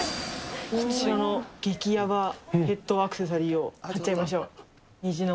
こちらの激やばヘッドアクセサリーを貼っちゃいましょう。